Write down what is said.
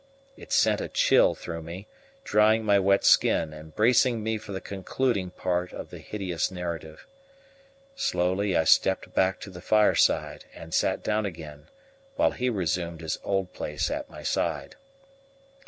It sent a chill through me, drying my wet skin, and bracing me for the concluding part of the hideous narrative. Slowly I stepped back to the fireside and sat down again, while he resumed his old place at my side.